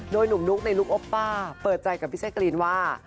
โดยหนุ่มนุ๊กในลูกโอป้าเปิดใจกับพี่แจ๊กรีนว่า